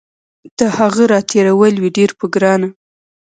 د هغه راتېرول وي ډیر په ګرانه